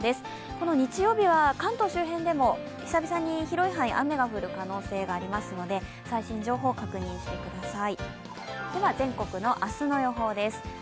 この日曜日は関東周辺でも久々に広い範囲、雨が降る可能性がありますので最新情報を確認してください。